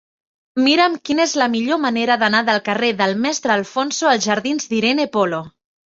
Mira'm quina és la millor manera d'anar del carrer del Mestre Alfonso als jardins d'Irene Polo.